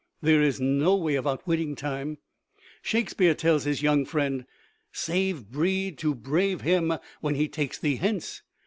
There is no way of outwitting Time, Shakespeare tells his young friend, "Save breed to brave him when he takes thee hence."